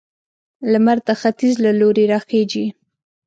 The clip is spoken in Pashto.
لمر د ختيځ له لوري راخيژي